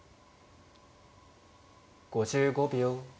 ５５秒。